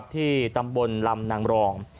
ที่ตำบลลำนางรอง